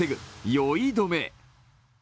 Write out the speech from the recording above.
酔いどめ。